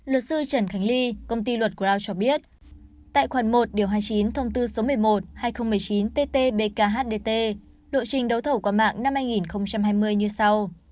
luật sư trần khánh ly công ty luật crowd cho biết tại khoản một hai mươi chín một mươi một hai nghìn một mươi chín ttbkhdt lộ trình đấu thầu qua mạng năm hai nghìn hai mươi như sau